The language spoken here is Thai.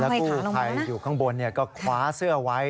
กู้ภัยอยู่ข้างบนก็คว้าเสื้อไว้